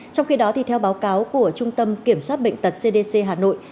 trong khi đó theo báo cáo của trung tâm kiểm soát bệnh tật cdc hà nội